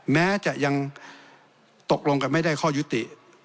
แม้จะยังตกลงกันไม่ได้ข้อยุติ